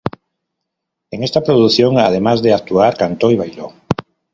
En esta producción, además de actuar, cantó y bailó.